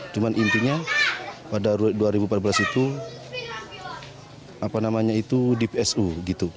cuma intinya pada dua ribu empat belas itu apa namanya itu di psu gitu